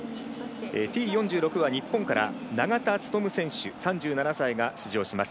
Ｔ４６は日本から永田務選手、３７歳が出場します。